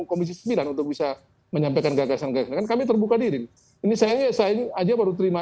komisi sembilan untuk bisa menyampaikan gagasan gagasan kami terbuka diri ini saya saya ini aja baru terima